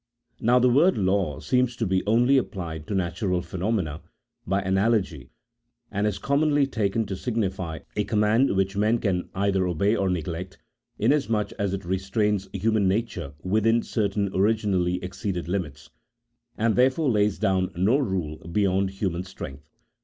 Now the word law seems to be only applied to natural phenomena by analogy, and is commonly taken to signify a command which men can either obey or neglect, inasmuch as it restrains human nature within certain originally ex ceeded limits, and therefore lays down no rule beyond human strength.